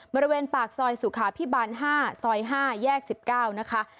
บริเวณปากซอยสุขาพิบาล๕ซอย๕แยก๑๙นะคะ